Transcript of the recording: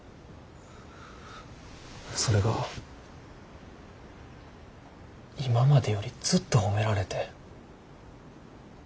それが今までよりずっと褒められて。